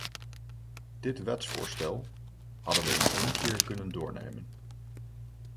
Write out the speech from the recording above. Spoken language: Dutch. Dit wetsvoorstel hadden we in één keer kunnen doornemen.